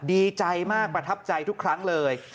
ดีใจมากประทับใจทุกครั้งเลย